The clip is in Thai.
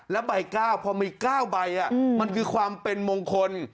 และใบเก้าพอมีเก้าใบอ่ะมันคือความเป็นมงคล